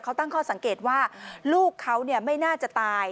เขาตั้งข้อสังเกตว่าลูกเขาไม่น่าจะตาย